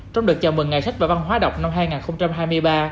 trong đợt chào mừng ngày sách và văn hóa đọc năm hai nghìn hai mươi ba